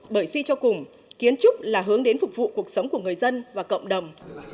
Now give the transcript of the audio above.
bởi suy cho cùng kiến trúc là hướng đến phục vụ cuộc sống của người dân và cộng đồng